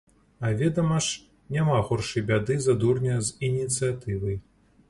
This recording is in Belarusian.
А ведама ж, няма горшай бяды за дурня з ініцыятывай.